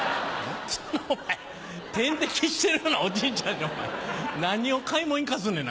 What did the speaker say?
お前点滴してるようなおじいちゃんに何を買いもん行かすねんな。